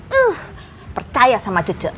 dan percaya sama cece